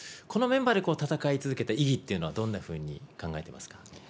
このメンバーで戦い続けた意義っていうのはどういうふうに考えていますか。